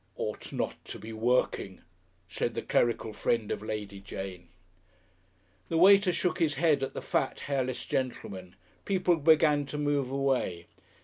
"Ought not to be working," said the clerical friend of Lady Jane. The waiter shook his head at the fat, hairless gentleman. People began to move away.